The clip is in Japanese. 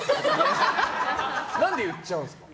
何で言っちゃうんですか。